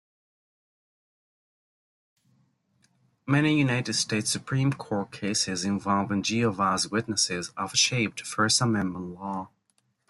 Many United States Supreme Court cases involving Jehovah's Witnesses have shaped First Amendment law.